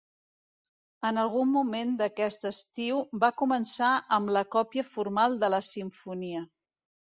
En algun moment d'aquest estiu va començar amb la còpia formal de la simfonia.